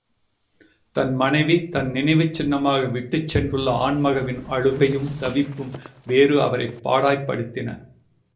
தம் மனைவி தன் நினைவுச்சின்னமாக விட்டுச் சென்றுள்ள ஆண்மகவின் அழுகையும் தவிப்பும் வேறு அவரைப் பாடாய்ப்படுத்தின.